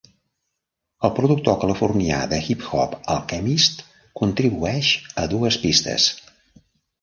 El productor californià de hip-hop, Alchemist, contribueix a dues pistes.